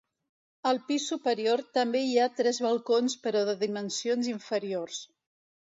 Al pis superior també hi ha tres balcons però de dimensions inferiors.